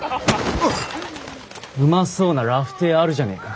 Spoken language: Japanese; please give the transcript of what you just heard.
うまそうなラフテーあるじゃねえか。